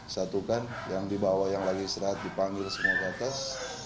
satukan yang dibawa yang lagi istirahat dipanggil semua ke atas